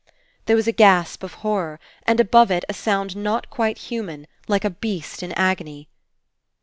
There was a gasp of horror, and above it a sound not quite human, like a beast In agony.